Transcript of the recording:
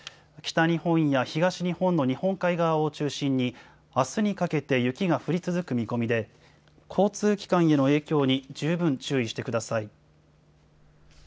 北日本や東日本の日本海側を中心に、あすにかけて雪が降り続く見込みで、交通機関への影響に十分注意してください。